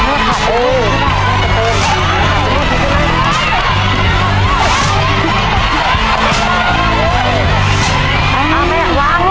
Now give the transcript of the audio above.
อ่าไม่อยากวางลูกแล้วหนูล่วงต่อเลย